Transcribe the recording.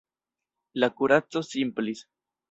La kuraco simplis.